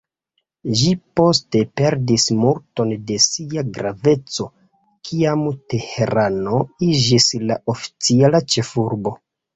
Ĝi poste perdis multon da sia graveco, kiam Teherano iĝis la oficiala ĉefurbo.